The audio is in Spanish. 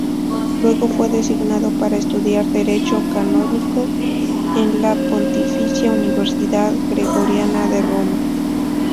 Luego fue designado para estudiar Derecho Canónico en la Pontificia Universidad Gregoriana de Roma.